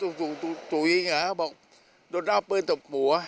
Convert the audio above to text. ก็บอกโดดเอาปืนจบผัว